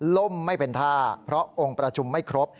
ล่มไม่เป็นท่าเพราะองค์ประชุมไม่ครบ